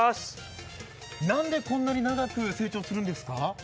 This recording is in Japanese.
なんでこんなに長く成長するんですか？